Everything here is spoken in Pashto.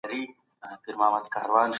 نن ایله دهقان